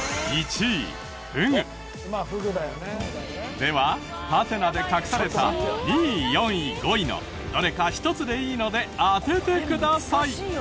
ではハテナで隠された２位４位５位のどれか１つでいいので当ててください。